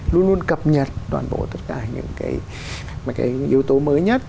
luôn luôn cập nhật toàn bộ tất cả những cái yếu tố mới nhất